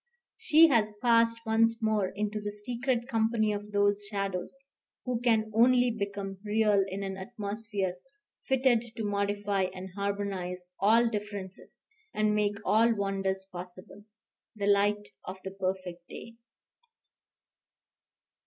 She has passed once more into the secret company of those shadows, who can only become real in an atmosphere fitted to modify and harmonize all differences, and make all wonders possible, the light of the perfect day.